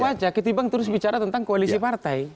kamu saja ketimbang terus bicara tentang koalisi partai